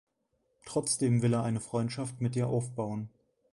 Trotzdem will er eine Freundschaft mit ihr aufbauen.